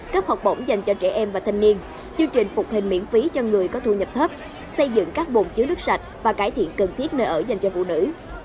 cấp học bổng dành cho trẻ em và thanh niên chương trình phục hình miễn phí cho người có thu nhập thấp xây dựng các bồn chứa nước sạch và cải thiện cần thiết nơi ở dành cho phụ nữ